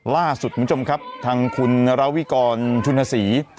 ล่าสุดคุณผู้ชมครับทางคุณราวิกรชุนศรี